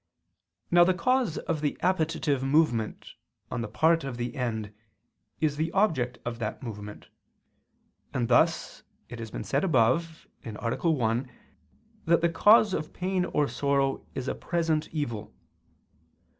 Now the cause of the appetitive movement, on the part of the end, is the object of that movement. And thus, it has been said above (A. 1) that the cause of pain or sorrow is a present evil.